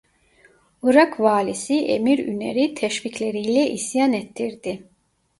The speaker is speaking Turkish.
Irak valisi Emir Üner'i teşvikleriyle isyan ettirdi.